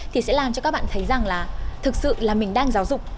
thì sẽ làm cho các bạn thấy rằng là thực sự là mình đang giáo dục